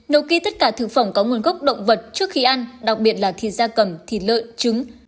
đầu kỳ tất cả thực phẩm có nguồn gốc động vật trước khi ăn đặc biệt là thịt da cầm thịt lợn trứng